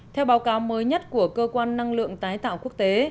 theo báo cáo mới nhất của cơ quan năng lượng tái tạo quốc tế